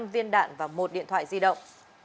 năm viên đạn và một điện thoại di động